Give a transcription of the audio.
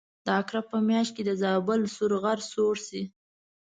د عقرب په میاشت کې د زابل سور غر سوړ شي.